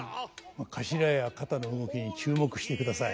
かしらや肩の動きに注目してください。